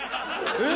えっ？